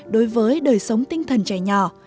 đối với đời sống tinh thần trẻ nhỏ